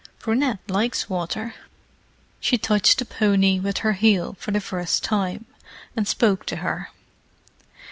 "Brunette likes water." She touched the pony with her heel for the first time, and spoke to her.